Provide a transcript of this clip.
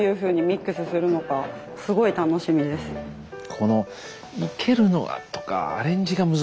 この生けるのとかアレンジが難しいんですよね